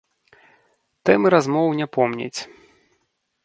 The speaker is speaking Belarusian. Тэмы размоў не помніць.